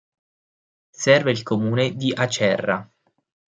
Serve il comune di Acerra.